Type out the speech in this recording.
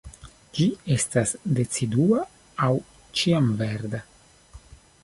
Ĝi estas decidua aŭ ĉiamverda.